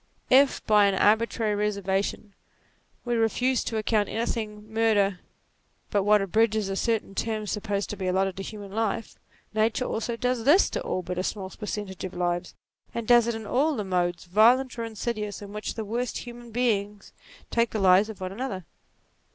If, by an arbitrary reservation, we refuse to account anything murder but what abridges a certain term supposed to be allotted to human life, nature also does this to all but a small percentage of lives, and does it in all the modes, violent or insidious, in which the worst human beings take the lives of one another.